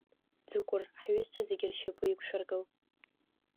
Ӡыкәыр, ҳҩызцәа зегьы ршьапы иқәшәыргыл.